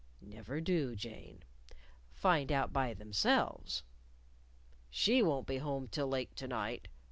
Never do, Jane ... find out by themselves.... She won't be home till late to night